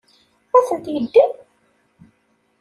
Ad tent-yeddem?